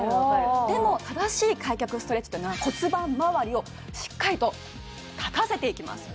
でも正しい開脚ストレッチというのは骨盤まわりをしっかりと立たせていきます